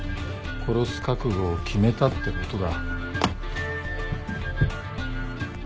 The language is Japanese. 殺す覚悟を決めたってことだ。